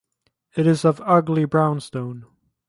It is of ugly brownstone.